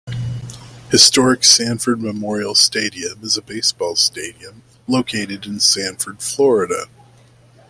Historic Sanford Memorial Stadium is a baseball stadium located in Sanford, Florida.